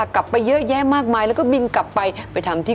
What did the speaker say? กรูผู้สืบสารล้านนารุ่นแรกแรกรุ่นเลยนะครับผม